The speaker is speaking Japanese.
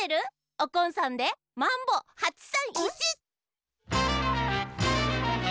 おこんさんで「マンボ８３１」！